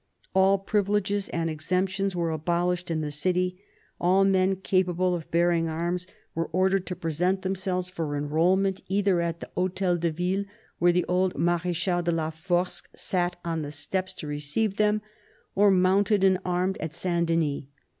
All privileges and exemptions were abolished in the city. All men capable of bearing arms were ordered to 17 2S8 CARDINAL DE RICHELIEU ™ present themselves for enrolment, either at the Hctel de Ville, where the old Marechal de la Force sat on the steps to receive them, or mounted and armed at Saint Denis.